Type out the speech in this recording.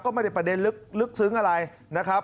ก็ไม่ได้ประเด็นลึกซึ้งอะไรนะครับ